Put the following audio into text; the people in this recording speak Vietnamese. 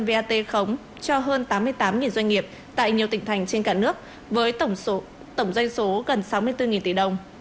vat khống cho hơn tám mươi tám doanh nghiệp tại nhiều tỉnh thành trên cả nước với tổng doanh số gần sáu mươi bốn tỷ đồng